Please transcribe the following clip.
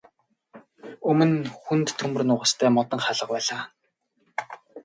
Өмнө нь хүнд төмөр нугастай модон хаалга байлаа.